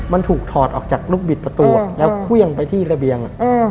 มันถูกถอดออกจากลูกบิดประตูแล้วเครื่องไปที่ระเบียง